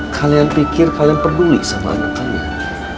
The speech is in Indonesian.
kalian pikir kalian peduli sama anak kalian